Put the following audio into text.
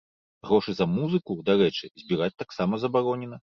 Грошы за музыку, дарэчы, збіраць таксама забаронена.